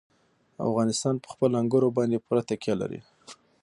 افغانستان په خپلو انګورو باندې پوره تکیه لري.